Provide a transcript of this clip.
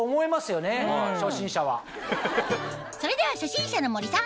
それでは初心者の森さん